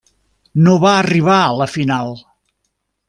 No va arribar a la final.